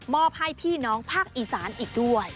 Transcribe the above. อบให้พี่น้องภาคอีสานอีกด้วย